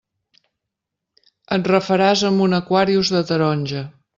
Et refaràs amb un Aquarius de taronja.